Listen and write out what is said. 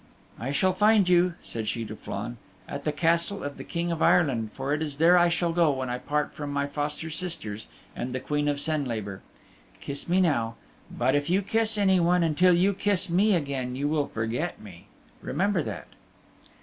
"I shall find you," said she to Flann, "at the Castle of the King of Ireland, for it is there I shall go when I part from my foster sisters and the Queen of Senlabor. Kiss me now. But if you kiss anyone until you kiss me again you will forget me. Remember that."